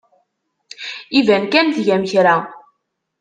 Iban kan tgam kra.